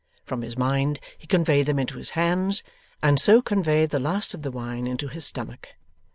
From his mind he conveyed them into his hands, and so conveyed the last of the wine into his stomach.